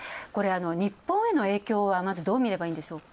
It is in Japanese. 日本への影響は、まずどう見ればいいんでしょうか？